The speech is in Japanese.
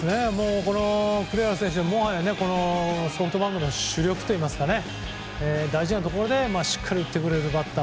栗原選手、もはやソフトバンクの主力といいますか大事なところでしっかり打ってくれるバッター。